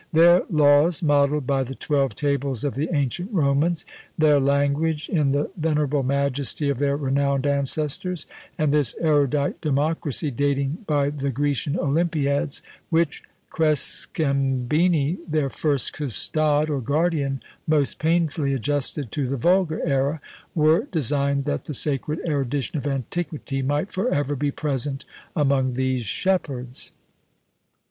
Their laws, modelled by the twelve tables of the ancient Romans; their language in the venerable majesty of their renowned ancestors; and this erudite democracy dating by the Grecian Olympiads, which Crescembini, their first custode, or guardian, most painfully adjusted to the vulgar era, were designed that the sacred erudition of antiquity might for ever be present among these shepherds.